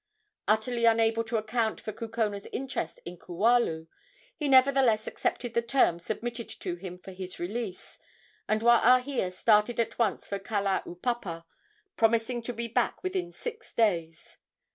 Utterly unable to account for Kukona's interest in Kualu, he nevertheless accepted the terms submitted to him for his release, and Waahia started at once for Kalaupapa, promising to be back within six days.